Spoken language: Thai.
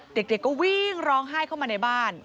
เด็กก็วิ่งร้องไห้เข้ามาในบ้าน